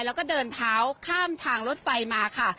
แล้วก็เดินเท้าข้ามทางรถไฟมาค่ะ